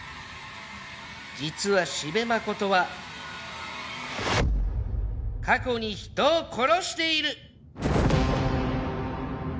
実は四部誠は過去に人を殺している。